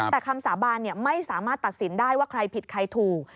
แต่คำสาบานไม่สามารถตัดสินได้ว่าใครผิดใครถูก